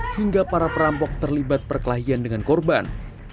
hingga para perampok terlibat perkelahian dengan korban